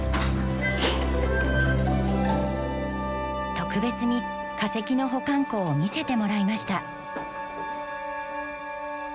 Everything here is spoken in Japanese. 特別に化石の保管庫を見せてもらいました。